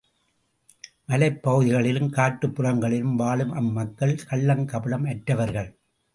மலைப் பகுதிகளிலும் காட்டுப் புறங்களிலும் வாழும் அம் மக்கள் கள்ளங்கபடம் அற்றவர்கள்.